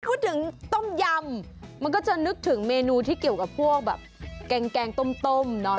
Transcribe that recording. พูดถึงต้มยำมันก็จะนึกถึงเมนูที่เกี่ยวกับพวกแกงตม